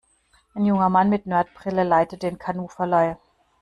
Ein junger Mann mit Nerd-Brille leitet den Kanuverleih.